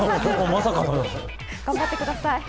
頑張ってください。